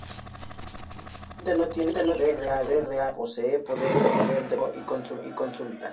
Actualmente no tiene poder real, sino que posee poder de consejo y consulta.